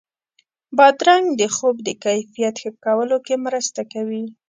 بادرنګ د خوب د کیفیت ښه کولو کې مرسته کوي.